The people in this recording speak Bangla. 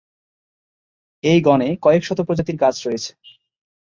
এই গণে কয়েকশত প্রজাতির গাছ রয়েছে।